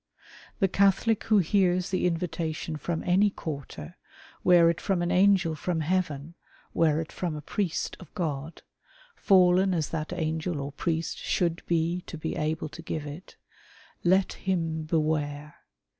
The Catholic who hears the invitation from any quarter, were it from an angel from heaven, were it from a priest of God — fallen as that angel or priest should be to be al:)le to give it — let him beware.